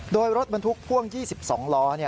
โดยรถบรรทุกพ่วง๒๒ล้อ